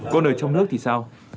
còn ở trong nước thì sao